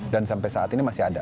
dan sampai saat ini masih ada